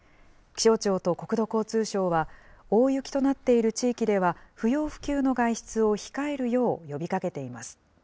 気象庁と国土交通省は、大雪となっている地域では、不要不急の外出を控えるよう呼びかけています。